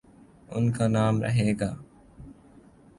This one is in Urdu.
ان کانام رہے گا۔